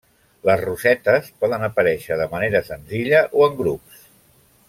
Les rosetes poden aparèixer de manera senzilla o en grups.